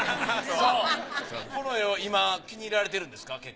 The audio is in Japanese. この絵を今気に入られてるんですか？